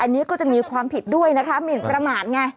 อันนี้ก็จะมีความผิดด้วยนะคะหมินประมาทไง